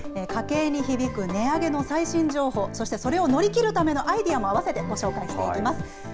家計に響く値上げの最新情報、そしてそれを乗り切るためのアイデアもあわせてご紹介していきます。